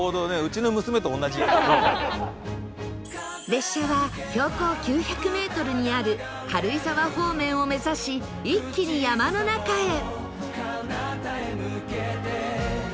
列車は標高９００メートルにある軽井沢方面を目指し一気に山の中へ